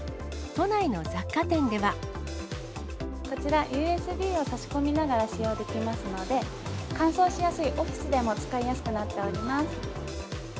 こちら、ＵＳＢを差し込みながら使用できますので、乾燥しやすいオフィスでも使いやすくなっております。